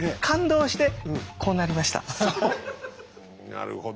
なるほど。